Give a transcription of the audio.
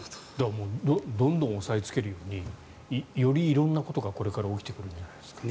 どんどん抑えつけるようにより色んなことがこれから起きてくるんじゃないですかね。